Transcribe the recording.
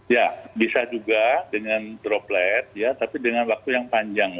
ya bisa juga dengan droplet ya tapi dengan waktu yang panjang